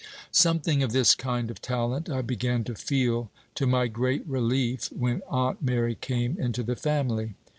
Something of this kind of talent I began to feel, to my great relief, when Aunt Mary came into the family.